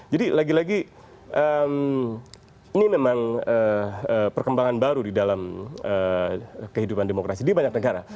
jadi lagi lagi ini memang perkembangan baru di dalam kehidupan demokrasi di banyak negara